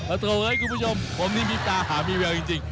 โถเฮ้ยคุณผู้ชมผมนี่มีตาหามีแววจริง